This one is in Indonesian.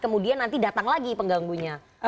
kemudian nanti datang lagi pengganggunya